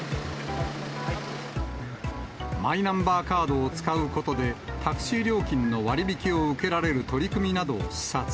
マイナンバーカードを使うことで、タクシー料金の割引を受けられる取り組みなどを視察。